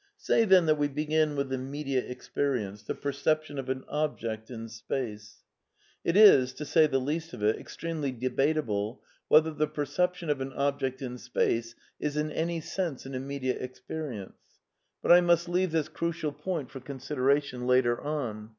Say, then, that we begin with immediate experience, the perception of an object in space. (It is, to say the least of it, extremely debatable THE NEW REALISM 157 whether the perception of an object in space is in any sense an immediate experience; but I must leave this crucial point for consideration later on.